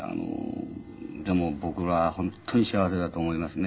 でも僕は本当に幸せだと思いますね。